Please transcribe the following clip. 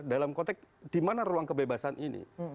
dalam konteks di mana ruang kebebasan ini